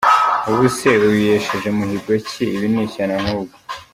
Ubuse uyu yesheje muhigo ki? Ibi ni ishyano ahubwo.